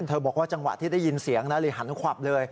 เธอบอกว่าจังหวะที่ได้ยินเสียงหันขวับเลย